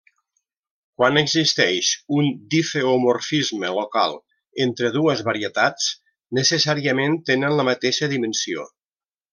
Quan existeix un difeomorfisme local entre dues varietats, necessàriament tenen la mateixa dimensió.